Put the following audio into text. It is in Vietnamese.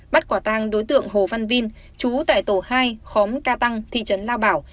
bắt quả tang đối tượng hồ văn vinh chú tại tổ hai khóm ca tăng thị trấn lao bảo